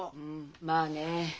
まあね。